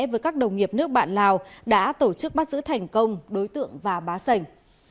với các đồng nghiệp nước bạn lào đã tổ chức bắt giữ thành công đối tượng và bá sảnh